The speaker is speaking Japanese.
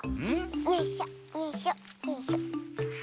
よいしょよいしょよいしょ。